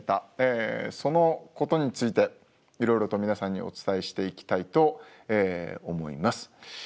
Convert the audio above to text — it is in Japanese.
そのことについていろいろと皆さんにお伝えしていきたいと思います。